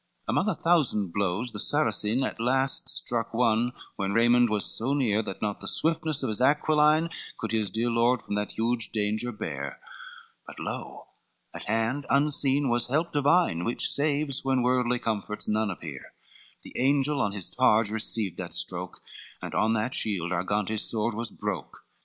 XCII Among a thousand blows the Saracine At last struck one, when Raymond was so near, That not the swiftness of his Aquiline Could his dear lord from that huge danger bear: But lo, at hand unseen was help divine, Which saves when worldly comforts none appear, The angel on his targe received that stroke, And on that shield Argantes' sword was broke.